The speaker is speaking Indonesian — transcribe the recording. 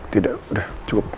tidak udah cukup